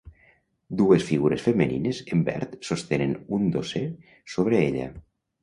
Dues figures femenines en verd sostenen un dosser sobre ella.